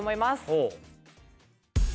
ほう。